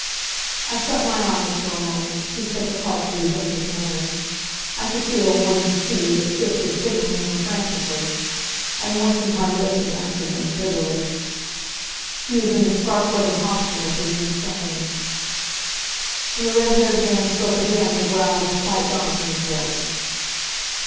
I shut my eyes for a moment, too sick at heart to resent his manner. I could feel, more than see, that Sis was signaling him frantically. I moistened my lips and answered him, bitterly. "He is in the Starkweather Hospital for the insane." When the red haired man spoke again the growl was quite gone from his voice.